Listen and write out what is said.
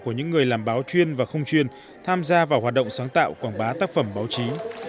của những người làm báo chuyên và không chuyên tham gia vào hoạt động sáng tạo quảng bá tác phẩm báo chí